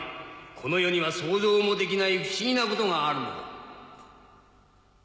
この世には想像もできない不思議なことがあるのだ。